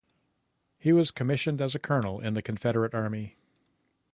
He was commissioned as a Colonel in the Confederate Army.